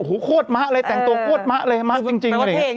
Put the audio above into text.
โอ้โหโคตรมะเลยแต่งตัวโคตรมะเลยมะจริง